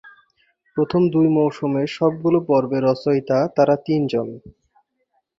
প্রথম দুই মৌসুমের সবগুলো পর্বের রচয়িতা তারা তিনজন।